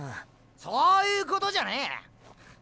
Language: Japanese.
そういうことじゃねえ！